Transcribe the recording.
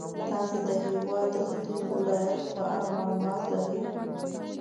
تاسې د هېواد د ختیځو ولایتونو په اړه معلومات لرئ.